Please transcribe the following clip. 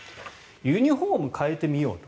ユニホームを変えてみようと。